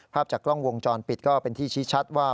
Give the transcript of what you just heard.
ภาพจากกล้องวงจรปิดก็เป็นที่ชี้ชัดว่า